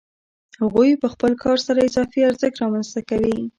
هغوی په خپل کار سره اضافي ارزښت رامنځته کوي